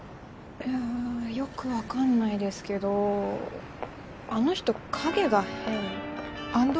んよく分かんないですけどあの人影が変。